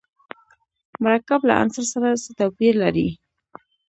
مرکب له عنصر سره څه توپیر لري.